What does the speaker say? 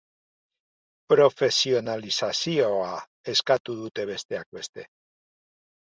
Profesionalizazioa eskatu dute besteak beste.